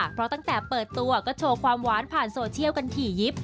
เพราะตั้งแต่เปิดตัวก็โชว์ความหวานผ่านโซเชียลกันถี่ยิบ